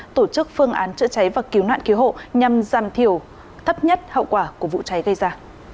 tổ chức phương án chữa cháy và cứu nạn cứu hộ nhằm giảm thiểu thấp nhất hậu quả của vụ cháy gây ra